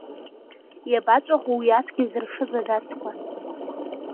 Иабаҵәаху уи ацәгьа зыршыз адацқәа?